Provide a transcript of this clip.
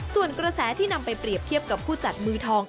ส่วนกระแสที่นำไปเปรียบเทียบกับผู้จัดมือทอง